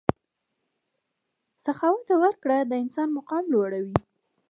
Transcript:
سخاوت او ورکړه د انسان مقام لوړوي.